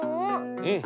うん。